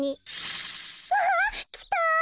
わあきた！